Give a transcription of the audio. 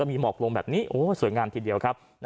และมีหมอกลงแบบนี้สวยงามทีเดียว